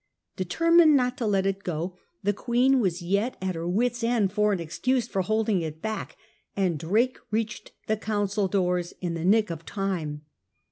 Determined not to let it go, the Queen was yet at her wits' end for an excuse for keeping her hold, and Drake reached the Council doors in the nick of time.